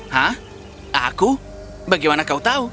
hah aku bagaimana kau tahu